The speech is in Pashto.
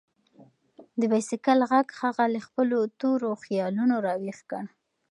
د بایسکل غږ هغه له خپلو تورو خیالونو راویښ کړ.